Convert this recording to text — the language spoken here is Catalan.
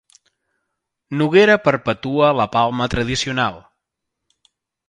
Noguera perpetua la Palma tradicional